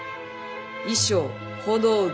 衣装小道具